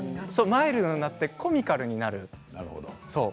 マイルドになってコミカルになる。